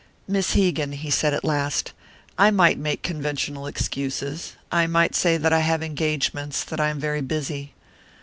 "Miss Hegan," he said at last, "I might make conventional excuses. I might say that I have engagements; that I am very busy.